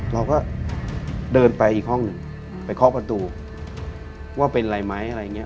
เราก็เดินไปอีกห้องหนึ่งไปเคาะประตูว่าเป็นอะไรไหมอะไรอย่างนี้